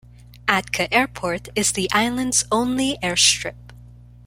Atka Airport is the island's only airstrip.